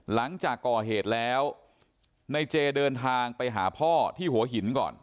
หลังจากก่อเหตุแล้วในเจเดินทางไปหาพ่อที่หัวหินก่อน